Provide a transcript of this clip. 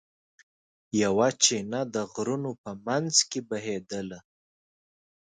یوه چینه د غرونو په منځ کې بهېدله.